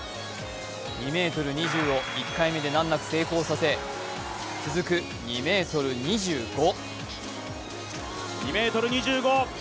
２ｍ２０を１回目で難なく成功させ続いて、２ｍ２５。